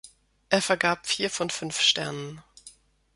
Er vergab vier von fünf Sternen.